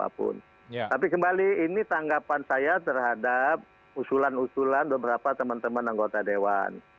tapi kembali ini tanggapan saya terhadap usulan usulan beberapa teman teman anggota dewan